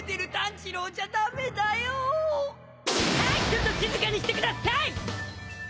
ちょっと静かにしてください！